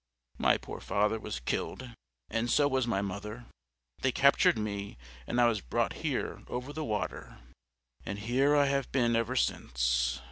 My poor father was killed, and so was my mother; they captured me, and I was brought here over the water, and here I have been ever since."